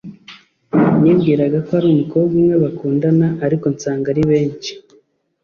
nibwiraga ko ari umukobwa umwe bakundana ariko nsanga ari benshi.